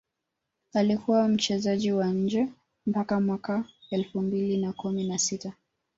alikuwa mchezaji wa nje mpaka Mwaka elfu mbili na kumi na sita